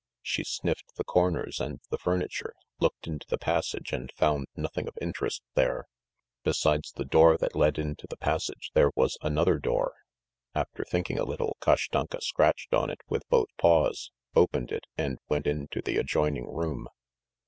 She sniffed the corners and the furniture, looked into the passage and found nothing of interest there. Besides the door that led into the passage there was another door. After thinking a little Kashtanka scratched on it with both paws, opened it, and went into the adjoining room.